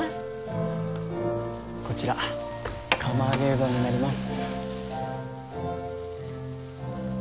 こちら釜揚げうどんになります。